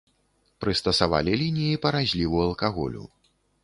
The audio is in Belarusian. Прыстасавалі лініі па разліву алкаголю.